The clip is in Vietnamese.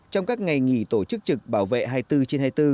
trong các ngày nghỉ tổ chức trực bảo vệ hai mươi bốn trên hai mươi bốn